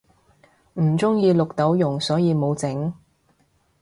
唔鍾意綠豆蓉所以無整